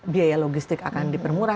biaya logistik akan dipermurah